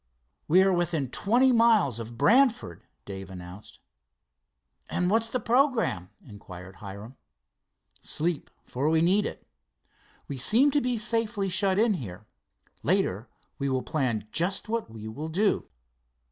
"We are within twenty miles of Brantford," Dave announced. "And what's the programme?" inquired Hiram. "Sleep, for we need it. We seem to be safely shut in here. Later we'll plan just what we will do."